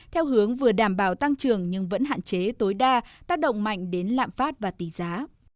theo hướng vừa đảm bảo tăng trưởng nhưng vẫn hạn chế tối đa tác động mạnh đến lạm phát và tỷ giá